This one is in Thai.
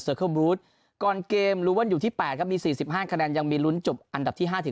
เคิลบรูดก่อนเกมลูเวิลอยู่ที่๘ครับมี๔๕คะแนนยังมีลุ้นจบอันดับที่๕